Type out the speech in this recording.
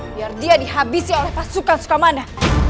biar dia dihabisi oleh pasukan sukamana